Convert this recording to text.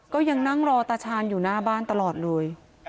ก็ยังนั่งรอตาชาญอยู่หน้าบ้านตลอดเลย